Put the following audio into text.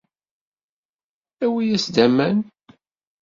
Awi-yas-d aman.